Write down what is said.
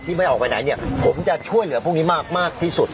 ไม่ออกไปไหนเนี่ยผมจะช่วยเหลือพวกนี้มากที่สุด